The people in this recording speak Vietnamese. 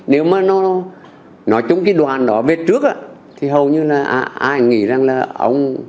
nếu mà nó nói chung cái đoàn đó về trước thì hầu như là ai nghĩ rằng là ông